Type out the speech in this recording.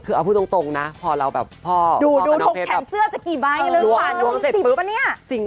คือเอาพูดตรงนะพอเราแบบพ่อพ่อกับน้องเพศ